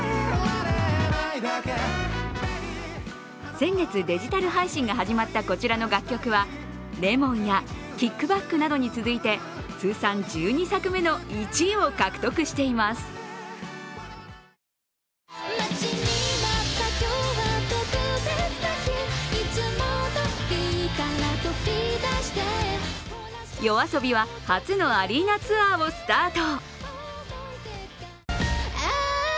先月、デジタル配信が始まったこちらの楽曲は「Ｌｅｍｏｎ」や「ＫＩＣＫＢＡＣＫ」などに続いて通算１２作目の１位を獲得していますＹＯＡＳＯＢＩは初のアリーナツアーをスタート。